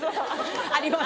あります。